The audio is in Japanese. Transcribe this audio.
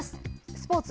スポーツ。